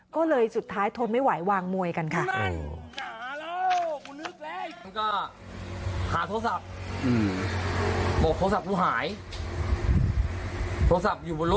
ก็เลยสุดท้ายทนไม่ไหววางมวยกันค่ะ